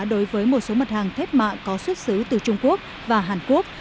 đối với một số mặt hàng thép mạ có xuất xứ từ trung quốc và hàn quốc